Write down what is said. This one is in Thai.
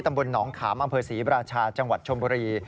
ตำบลหนองขามอำเภอศรีราชาจังหวัดชมบุรี